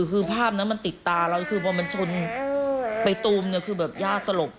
คือภาพนั้นมันติดตาเราคือพอมันชนไปตูมเนี่ยคือแบบย่าสลบ